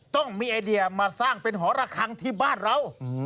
ต้องมีไอเดียมาสร้างเป็นหอระคังที่บ้านเรา